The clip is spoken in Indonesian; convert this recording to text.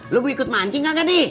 lo mau ikut mancing kagak di